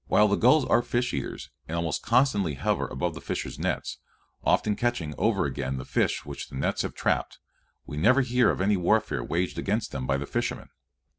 While the gulls are fish eaters and almost constantly hover above the fishers' nets, often catching over again the fish which the nets have trapped, we never hear of any warfare waged against them by the fishermen.